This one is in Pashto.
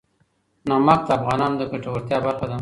نمک د افغانانو د ګټورتیا برخه ده.